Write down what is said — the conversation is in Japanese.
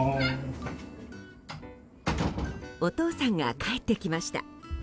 お父さんが帰ってきました。